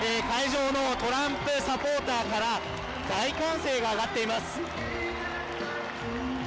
会場のトランプサポーターから、大歓声が上がっています。